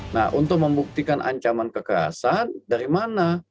nah untuk membuktikan ancaman kekerasan dari mana